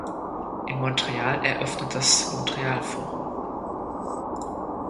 In Montreal eröffnete das Montreal Forum.